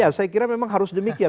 ya saya kira memang harus demikian